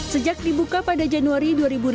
sejak dibuka pada januari dua ribu delapan belas